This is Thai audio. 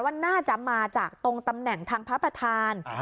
ว่าน่าจะมาจากตรงตำแหน่งทางพระประธาน